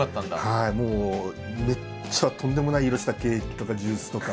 はいもうめっちゃとんでもない色したケーキとかジュースとか。